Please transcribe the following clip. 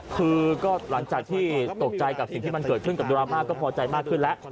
คือก็หลังจากที่ตกใจกับสิ่งที่มันเกิดขึ้นกับดราม่าก็พอใจมากขึ้นแล้ว